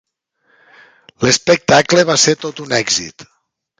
L'espectacle va ser tot un èxit.